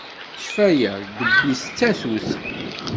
Ccfaya ddebb-is d tatut.